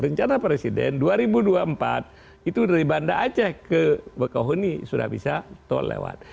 rencana presiden dua ribu dua puluh empat itu dari banda aceh ke bekahuni sudah bisa tol lewat